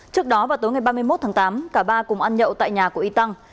trước đó vào tối ngày ba mươi một tháng tám cả ba cùng ăn nhậu tại nhà của ytang